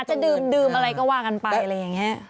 จะดื่มอะไรก็ว่ากันไปอะไรอย่างนี้